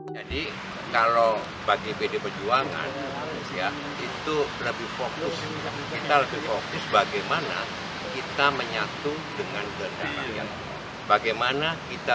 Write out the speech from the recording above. jadi hari ini kita akan punya agenda